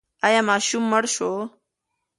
ایا ماشوم مړ شو؟